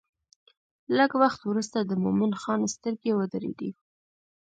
لږ وخت وروسته د مومن خان سترګې ودرېدې.